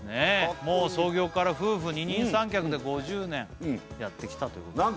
もう創業から夫婦二人三脚で５０年やってきたということです